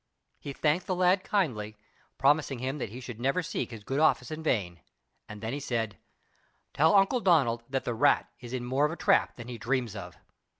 He thanked the lad kindly, promising him that he should never seek his good offices in vain; then he said: "Tell Uncle Donald that the rat is in more of a trap than he dreams of!"